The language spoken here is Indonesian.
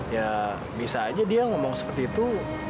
ya bisa aja dia ngomong seperti itu